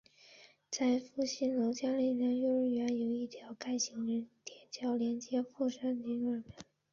在富信楼近嘉德丽幼稚园有一条有盖行人天桥连接富山邨及琼山苑。